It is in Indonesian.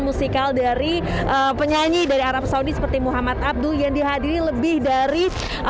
musikal dari penyanyi dari arab saudi seperti muhammad abdul yang dihadiri lebih dari